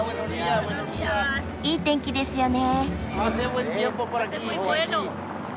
いい天気ですよね。